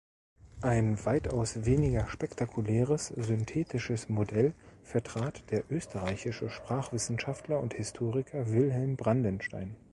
Ein weitaus weniger spektakuläres ‚synthetisches‘ Modell vertrat der österreichische Sprachwissenschaftler und Historiker Wilhelm Brandenstein.